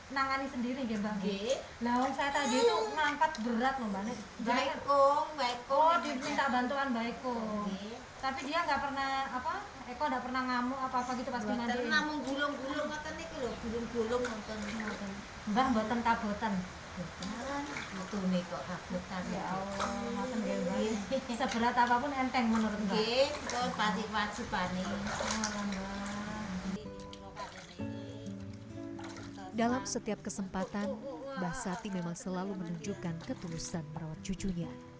dalam setiap kesempatan basati memang selalu menunjukkan ketulusan perawat cucunya